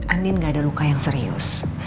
andin gak ada luka yang serius